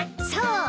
そう。